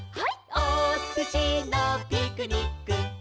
「おすしのピクニック」